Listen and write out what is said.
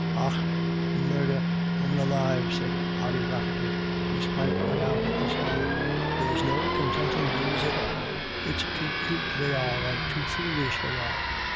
" Och murdher, women alive," said Ody Raffer ty, whose pipe went out at this moment, " there's no contintin' yous at all. It's too cute they are, and too foolish they are.